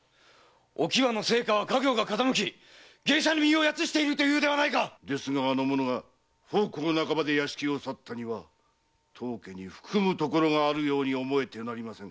お喜和の生家は家業が傾き芸者に身をやつしているというではないか‼ですがあの者が奉公半ばで屋敷を去ったには当家に含むところがあるように思えてなりませぬ。